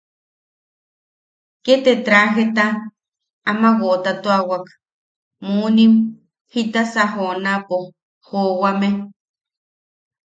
Ke te trajteta ama woʼotatuawak, munim, jitasa joonapo joʼowame.